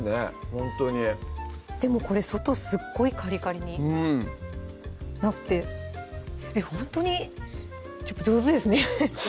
ほんとにでもこれ外すっごいカリカリになってほんとに上手ですね